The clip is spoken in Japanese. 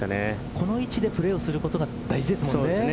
この位置でプレーをすることが大事ですもんね。